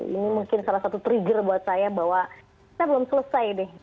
ini mungkin salah satu trigger buat saya bahwa kita belum selesai deh